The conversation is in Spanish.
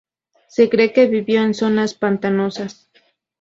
Se cree que vivió en zonas pantanosas.